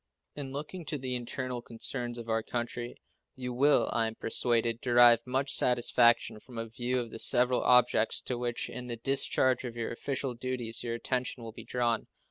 In looking to the internal concerns of our country you will, I am persuaded, derive much satisfaction from a view of the several objects to which, in the discharge of your official duties, your attention will be drawn.